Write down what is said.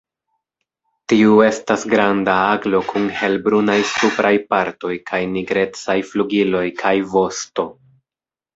Tiu estas granda aglo kun helbrunaj supraj partoj kaj nigrecaj flugiloj kaj vosto.